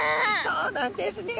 そうなんですね！